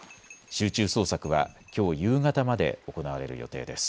集中捜索はきょう夕方まで行われる予定です。